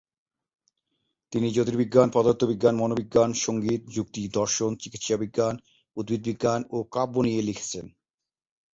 তিনি জ্যোতির্বিজ্ঞান, পদার্থবিজ্ঞান, মনোবিজ্ঞান, সঙ্গীত, যুক্তি, দর্শন, চিকিৎসাবিজ্ঞান, উদ্ভিদবিজ্ঞান, ও কাব্য নিয়ে লিখেছেন।